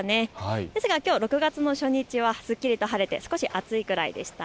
ですが、きょう６月の初日はすっきりと晴れて少し暑いくらいでした。